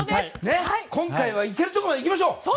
今回は行けるところまで行きましょう！